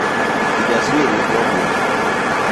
Kijasiri nobuok.